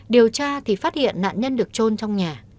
điều tra thì phát hiện nạn nhân được trôn trong nhà